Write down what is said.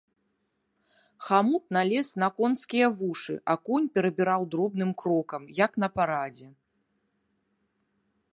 Хамут налез на конскія вушы, а конь перабіраў дробным крокам, як на парадзе.